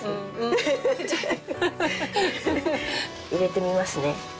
入れてみますね。